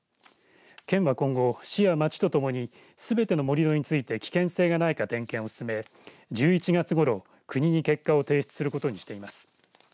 県は今後、市や町とともにすべての盛り土について危険性がないか点検を進め１１月ごろ国に結果を提出することにしています。